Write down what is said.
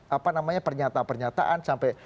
apa namanya pernyataan pernyataan sampai